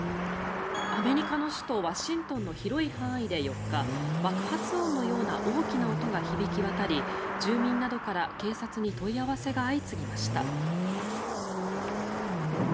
アメリカの首都ワシントンの広い範囲で４日爆発音のような大きな音が響き渡り住民などから警察に問い合わせが相次ぎました。